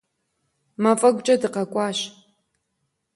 Мафӏэгукӏэ дыкъакӏуащ.